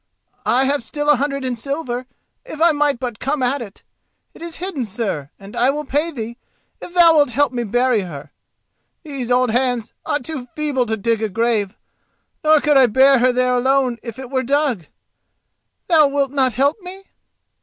I have still a hundred in silver, if I might but come at it. It is hidden, sir, and I will pay thee if thou wilt help me to bury her. These old hands are too feeble to dig a grave, nor could I bear her there alone if it were dug. Thou wilt not help me?